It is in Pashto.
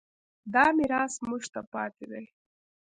دا میراث موږ ته پاتې دی.